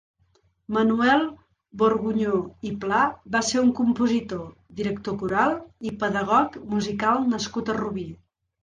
Manuel Borgunyó i Pla va ser un compositor, director coral i pedagog musical nascut a Rubí.